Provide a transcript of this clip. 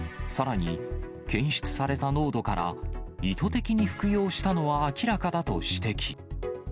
さらに、検出された濃度から、意図的に服用したのは明らかだと指摘。